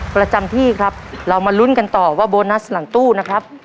ประจำที่ครับเรามาลุ้นกันต่อว่าโบนัสหลังตู้นะครับ